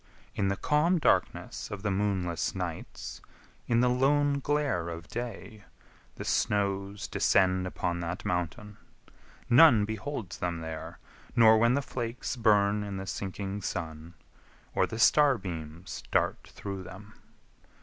In the calm darkness of the moonless nights, In the lone glare of day, the snows descend Upon that Mountain; none beholds them there, Nor when the flakes burn in the sinking sun, Or the star beams dart through them.